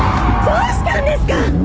どうしたんですか！？